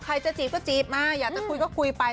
ใครจะจีบก็จีบมาอยากจะคุยก็คุยไป